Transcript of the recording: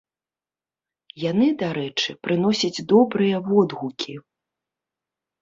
Яны, дарэчы, прыносяць добрыя водгукі.